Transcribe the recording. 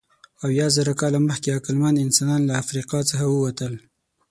اویازره کاله مخکې عقلمن انسانان له افریقا څخه ووتل.